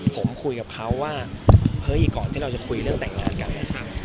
ผมคุยกับเขาว่าเฮ้ยก่อนที่เราจะคุยเรื่องแต่งงานกัน